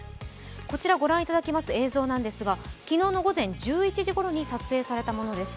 こちらご覧いただく映像なんですが昨日午前１１時ごろに撮影されたものです。